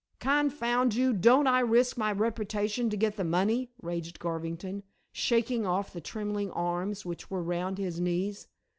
"Confound you, don't I risk my reputation to get the money," raged Garvington, shaking off the trembling arms which were round his knees.